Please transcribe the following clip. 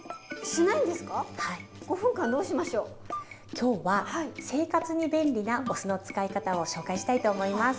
今日は生活に便利なお酢の使い方を紹介したいと思います。